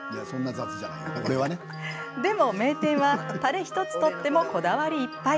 でも名店はたれ一つとってもこだわりいっぱい。